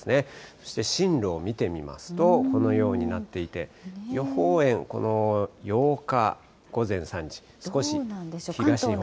そして進路を見てみますと、このようになっていて、予報円、８日午前３時、少し、東日本。